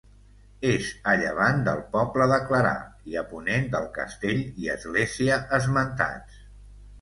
És a llevant del poble de Clarà i a ponent del castell i església esmentats.